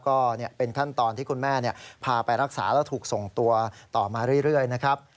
ก็เป็นขั้นตอนที่คุณแม่พาไปรักษาแล้วถูกส่งตัวต่อมาเรื่อยนะครับ